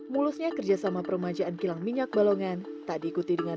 mulusnya kerjasama permajaan kilang minyak balongan tak diikuti dengan